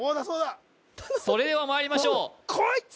そうだそれではまいりましょうこい！